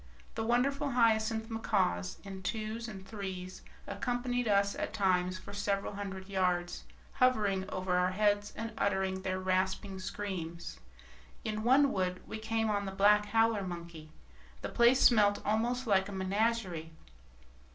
The wonderful hyacinth macaws, in twos and threes, accompanied us at times for several hundred yards, hovering over our heads and uttering their rasping screams. In one wood we came on the black howler monkey. The place smelt almost like a menagerie.